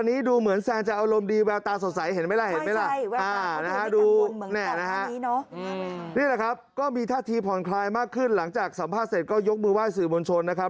นี่แหละครับก็มีท่าทีผ่อนคลายมากขึ้นหลังจากสัมภาษณ์เสร็จก็ยกมือไหว้สื่อมวลชนนะครับ